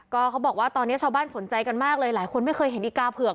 ก็เขาบอกว่าตอนนี้ชาวบ้านสนใจกันมากเลยหลายคนไม่เคยเห็นอีกาเผือก